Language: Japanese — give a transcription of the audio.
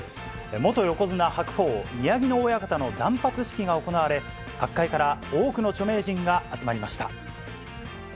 元横綱・白鵬、宮城野親方の断髪式が行われ、各界から多くの著名人が集まりました。